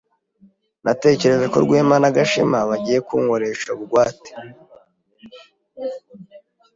Natekereje ko Rwema na Gashema bagiye kunkoresha bugwate.